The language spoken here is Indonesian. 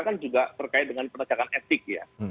kan juga berkait dengan penerjakan etik ya